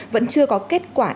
vẫn chưa có kết quả định giá